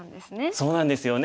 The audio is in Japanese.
そうなんですよね